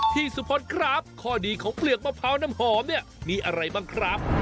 พี่สุพธครับข้อดีของเปลือกมะพร้าวน้ำหอมเนี่ยมีอะไรบ้างครับ